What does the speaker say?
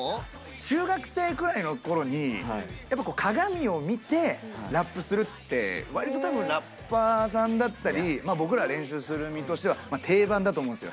中学生ぐらいの頃にやっぱこう鏡を見てラップするって割と多分ラッパーさんだったり僕ら練習する身としては定番だと思うんすよ。